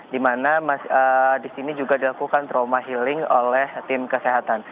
di mana di sini juga dilakukan trauma healing oleh tim kesehatan